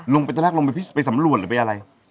ลงไปทั้งแรกลงไปพิษไปสำรวจหรือไปอะไร